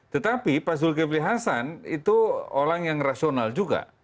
tetapi pak zulkifli hasan itu orang yang rasional juga